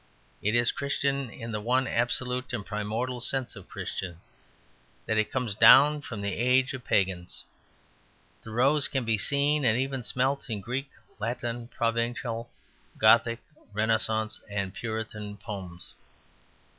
It is Christian in the one absolute and primordial sense of Christian that it comes down from the age of pagans. The rose can be seen, and even smelt, in Greek, Latin, Provencal, Gothic, Renascence, and Puritan poems.